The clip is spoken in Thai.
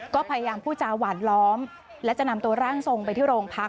ก็พยายามพูดจาหวานล้อมและจะนำตัวร่างทรงไปที่โรงพัก